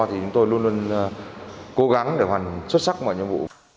thì chúng tôi luôn luôn cố gắng để hoàn thành xuất sắc mọi nhiệm vụ